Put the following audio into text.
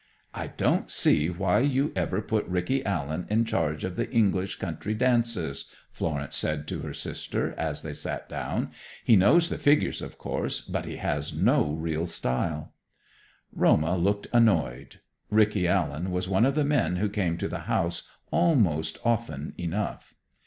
"I don't see why you ever put Rickie Allen in charge of the English country dances," Florence said to her sister, as they sat down. "He knows the figures, of course, but he has no real style." Roma looked annoyed. Rickie Allen was one of the men who came to the house almost often enough.